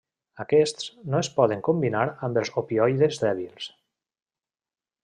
Aquests no es poden combinar amb els opioides dèbils.